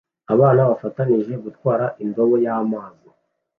abana bafatanije gutwara indobo y'amazi